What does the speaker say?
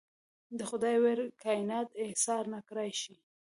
د خدای ویړ کاینات ایسار نکړای شي.